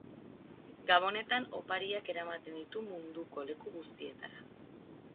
Gabonetan opariak eramaten ditu munduko leku guztietara.